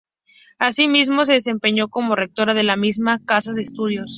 Asimismo, se desempeñó como Rectora de esa misma casa de estudios.